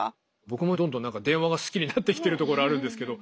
僕もどんどん電話が好きになってきてるところあるんですけど。